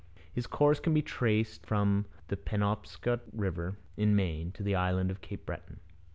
His course can be traced from the Penobscot river in Maine to the island of Cape Breton.